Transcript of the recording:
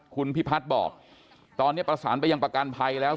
คุณพิพัฒน์บอกตอนนี้ประสานไปยังประกันภัยแล้ว